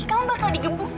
kamu bakal digebukin